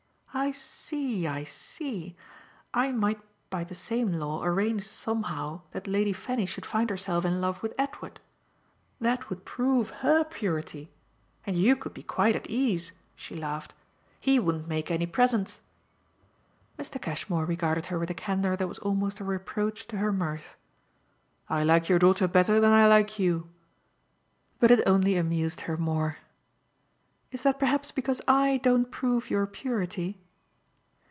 "I see, I see. I might by the same law arrange somehow that Lady Fanny should find herself in love with Edward. That would 'prove' HER purity. And you could be quite at ease," she laughed "he wouldn't make any presents!" Mr. Cashmore regarded her with a candour that was almost a reproach to her mirth. "I like your daughter better than I like you." But it only amused her more. "Is that perhaps because I don't prove your purity?"